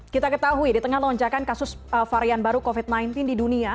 kita ketahui di tengah lonjakan kasus varian baru covid sembilan belas di dunia